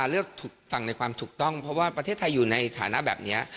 เลือกฟังในความถูกต้องเพราะว่าประเทศไทยอยู่ในฐานะแบบนี้